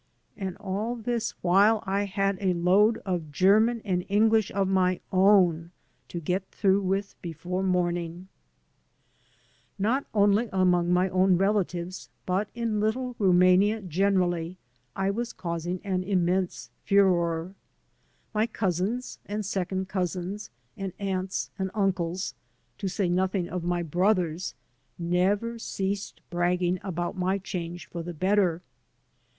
And all this while I had a load of German and English of my own to get through with before morning. 179 AN AMERICAN IN THE MAKING Not only among my own relatives, but in Little Rumania generally, I was causing an inmiense furore. My cousins and second cousins and aunts and uncles, to say nothing of my brothers, never ceased bragging about my change for the better.